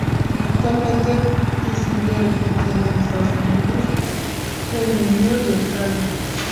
Actualmente se sigue repitiendo en Estados Unidos, Reino Unido y Australia.